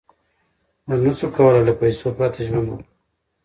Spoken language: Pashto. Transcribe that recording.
موږ نشو کولای له پیسو پرته ژوند وکړو.